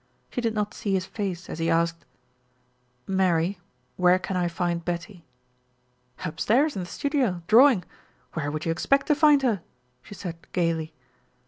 She did not see his face as he asked, "Mary, where can I find Betty?" "Upstairs in the studio, drawing. Where would you expect to find her?" she said gayly.